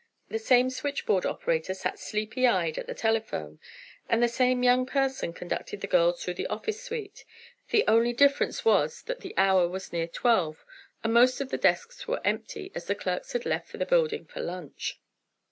The same switchboard operator sat sleepy eyed at the telephone, and the same young person conducted the girls through the office suite, the only difference was that the hour was near twelve, and most of the desks were empty, as the clerks had left the building for lunch.